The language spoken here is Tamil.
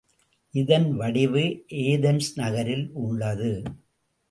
இதன் வடிவு ஏதன்ஸ் நகரில் உள்ளது.